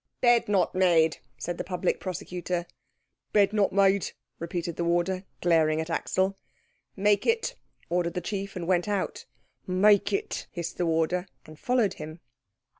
"Bed not made," said the Public Prosecutor. "Bed not made," repeated the warder, glaring at Axel. "Make it," ordered the chief; and went out. "Make it," hissed the warder; and followed him.